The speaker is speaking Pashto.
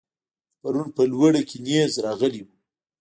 پرون په لوړه کې نېز راغلی و.